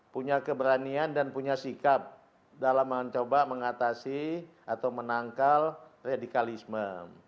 punya keberanian dan punya sikap dalam mencoba mengatasi atau menangkal radikalisme